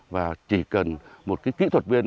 và chỉ cần một kỹ thuật viên